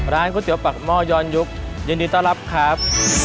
ก๋วยเตี๋ยปากหม้อยอนยุคยินดีต้อนรับครับ